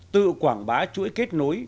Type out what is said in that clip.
tự quảng bá chuỗi kết nối